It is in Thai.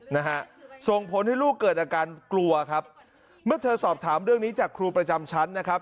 นะฮะส่งผลให้ลูกเกิดอาการกลัวครับเมื่อเธอสอบถามเรื่องนี้จากครูประจำชั้นนะครับ